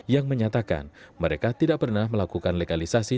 yang menyatakan mereka tidak pernah melakukan legalisasi